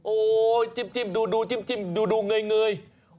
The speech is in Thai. โอ้ยจิบดูเหงย